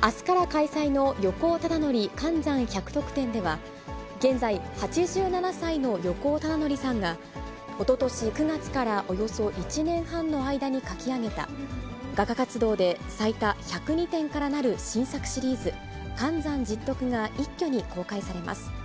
あすから開催の横尾忠則寒山百得展では、現在８７歳の横尾忠則さんが、おととし９月からおよそ１年半の間に描き上げた、画家活動で最多１０２点からなる新作シリーズ、寒山拾得が一挙に公開されます。